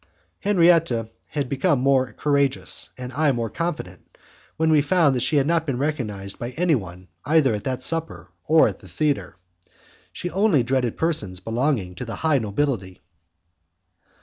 Henriette had become more courageous, and I more confident, when we found that she had not been recognized by any one either at that supper or at the theatre. She only dreaded persons belonging to the high nobility.